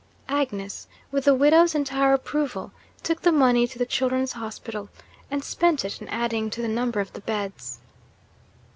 Agnes, with the widow's entire approval, took the money to the Children's Hospital; and spent it in adding to the number of the beds.